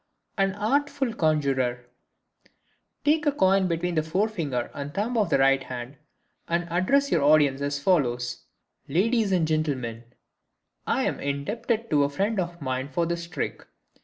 An Artful Conjurer.—Take a coin between the forefinger and thumb of the right hand and address your audience as follows: "Ladies and Gentlemen, I am indebted to a friend of mine for this trick.